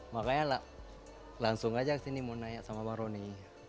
makanya langsung aja kesini mau naik sama bang ronny